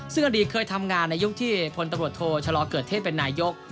ซึ่งอดีตเคยทำงานในยุคที่พลตำรวจโทชะลอเกิดเทศเป็นนายก